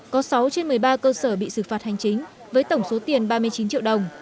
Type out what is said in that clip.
có sáu trên một mươi ba cơ sở bị xử phạt hành chính với tổng số tiền ba mươi chín triệu đồng